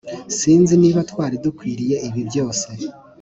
sinzi niba twari dukwiriye ibi byose